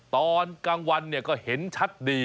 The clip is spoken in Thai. ตอนกลางวันก็เห็นชัดดี